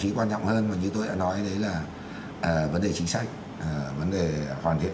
và điều chính quan trọng hơn như tôi đã nói đấy là vấn đề chính sách vấn đề hoàn thiện